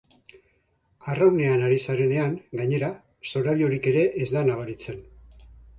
Arraunean ari zarenean, gainera, zorabiorik ere ez da nabaritzen.